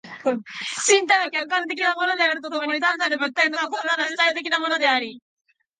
身体は客観的なものであると共に単なる物体とは異なる主体的なものであり、